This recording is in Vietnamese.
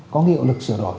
có hiệu lực sửa đổi